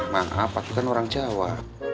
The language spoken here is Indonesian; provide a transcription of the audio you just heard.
maaf itu kan orang jawa